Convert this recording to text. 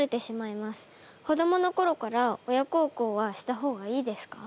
子どものころから親孝行はした方がいいですか？